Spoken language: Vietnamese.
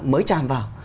mới chạm vào